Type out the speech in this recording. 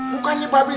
bukannya babe sirikan